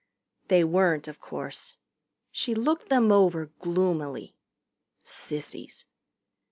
They weren't, of course. She looked them over gloomily. Sissies.